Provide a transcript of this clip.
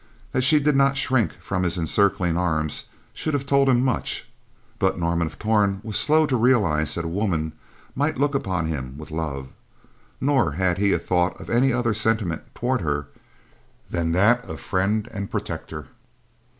That she did not shrink from his encircling arms should have told him much, but Norman of Torn was slow to realize that a woman might look upon him with love. Nor had he a thought of any other sentiment toward her than that of friend and protector.